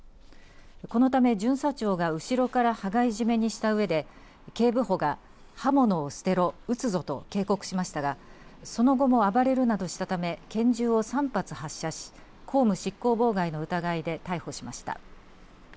このため巡査長が後ろから羽交い締めにしたうえで警部補が刃物を捨てろ撃つぞと警告しましたがその後も暴れるなどしたため拳銃を３発発射し公務執行妨害の疑いで逮捕しました。